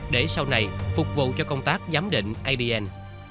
để sau này phục vụ cho công tác giám định abn